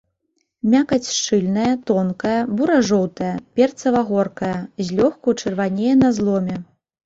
Мякаць шчыльная, тонкая, бура-жоўтая, перцава-горкая, злёгку чырванее на зломе.